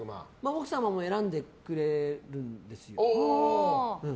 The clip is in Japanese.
奥様も選んでくれるんですよ。